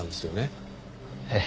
ええ。